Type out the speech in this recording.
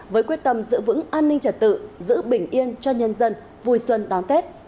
với quyết tâm giữ vững an ninh trật tự giữ bình yên cho nhân dân vui xuân đón tết